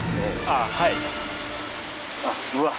ああはい。